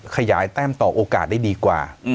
แต้มต่อโอกาสได้ดีกว่า